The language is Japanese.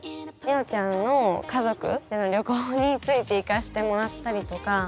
ねおちゃんの家族の旅行について行かせてもらったりとか。